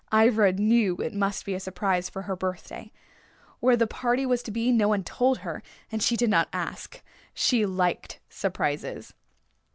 Ivra knew it must be a surprise for her birthday. Where the party was to be no one told her, and she did not ask. She liked surprises.